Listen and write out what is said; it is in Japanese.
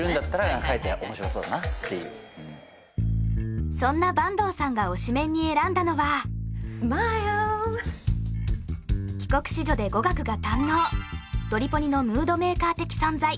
はいはいはいそんな坂東さんが推しメンに選んだのはスマイル帰国子女で語学が堪能ドリポニのムードメーカー的存在